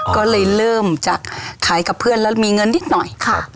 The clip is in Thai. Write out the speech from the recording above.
ก็เลยเริ่มจากขายกับเพื่อนแล้วมีเงินนิดหน่อยค่ะ